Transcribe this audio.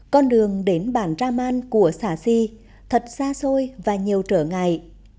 con đường đến bản raman của xã xi thật xa xôi và nhiều trở ngại